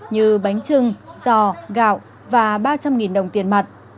như bánh trưng giò gạo và ba trăm linh đồng tiền mặt